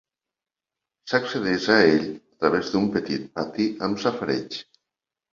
S'accedeix a ell a través d'un petit pati amb safareig.